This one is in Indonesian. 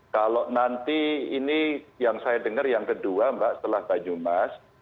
kalau nanti ini yang saya dengar yang kedua mbak setelah banyumas